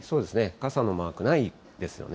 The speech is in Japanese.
傘のマークないですよね。